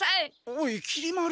おいきり丸。